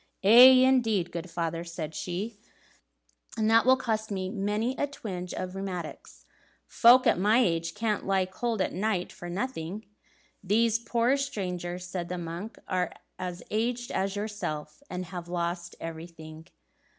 "Aye, indeed, good father," said she, "and that will cost me many a twinge of rheumatics. Folk at my age can't lie cold at night for nothing." "These poor strangers," said the monk, "are as aged as yourself, and have lost everything."